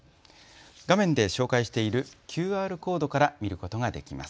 画面で紹介しているＱＲコードから見ることができます。